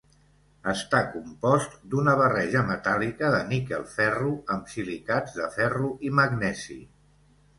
Està compost d'una barreja metàl·lica de níquel-ferro amb silicats de ferro i magnesi.